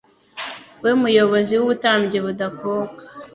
we muyobozi w' “ubutambyi budakuka,